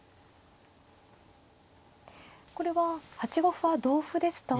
これは８五歩は同歩ですと。